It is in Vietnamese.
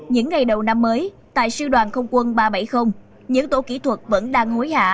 những ngày đầu năm mới tại sư đoàn không quân ba trăm bảy mươi những tổ kỹ thuật vẫn đang hối hạ